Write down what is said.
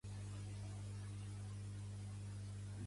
Però no el volia presentar sol a Ajuntament